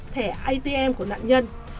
thẻ atm của nạn nhân